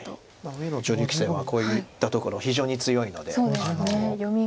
上野女流棋聖はこういったところ非常に強いので。